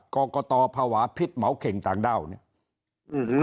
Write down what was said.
กรกตภาวะพิษเหมาเข่งต่างด้าวเนี่ย